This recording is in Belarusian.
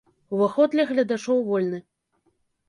Уваход для гледачоў вольны.